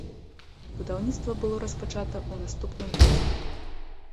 Будаўніцтва было распачата ў наступным годзе.